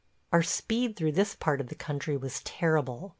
... Our speed through this part of the country was terrible.